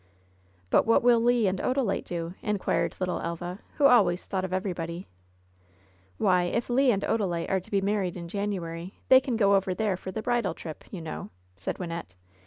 "But what will Le and Odalite do?" inquired littla Elva, who always thought of everybody. "Why, if Le and Odalite are to be married in Januarjr they can go over there for the bridal trip, you know," said Wynnette.